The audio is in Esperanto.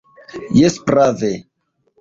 Jes, prave.